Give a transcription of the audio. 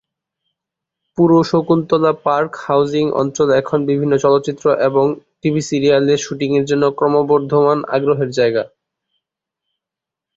পুরো Shakuntala park housing অঞ্চল এখন বিভিন্ন চলচ্চিত্র এবং টিভি সিরিয়ালের শুটিংয়ের জন্য ক্রমবর্ধমান আগ্রহের জায়গা।